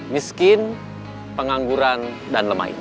miskin pengangguran dan lemah